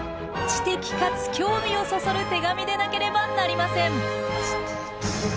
知的かつ興味をそそる手紙でなければなりません。